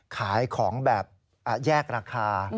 ขายของแบบแยกราคา